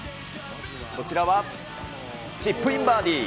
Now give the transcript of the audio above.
こちらはチップインバーディー。